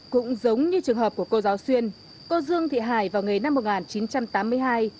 cũng giống như trường hợp của cô giáo xuyên cô dương thị hải vào nghề năm một nghìn chín trăm tám mươi hai